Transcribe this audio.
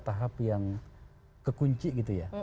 tahap yang kekunci gitu ya